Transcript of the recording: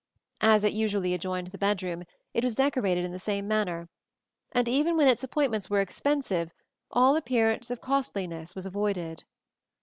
As it usually adjoined the bedroom, it was decorated in the same manner, and even when its appointments were expensive all appearance of costliness was avoided.